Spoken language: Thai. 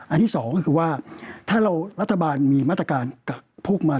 ที่สองก็คือว่าถ้าเรารัฐบาลมีมาตรการกับพวกมา